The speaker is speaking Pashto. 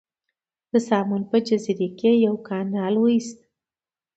د ساموس په جزیره کې یې یو کانال وویست.